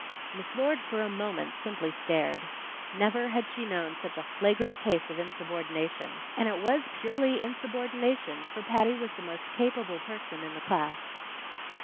Miss Lord for a moment simply stared. Never had she known such a flagrant case of insubordination. And it was purely insubordination, for Patty was the most capable person in the class.